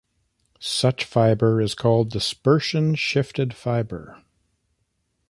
Such fiber is called dispersion-shifted fiber.